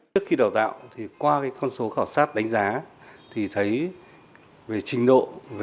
trước khi đào tạo thì qua con số khảo sát đánh giá thì thấy về trình độ